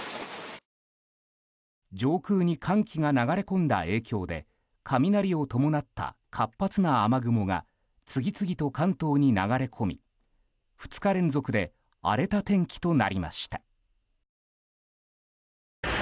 上空に寒気が流れ込んだ影響で雷を伴った活発な雨雲が次々と関東に流れ込み２日連続で荒れた天気となりました。